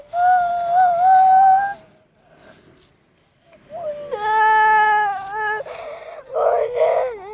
kenapa lu saat ini keizi kerja laski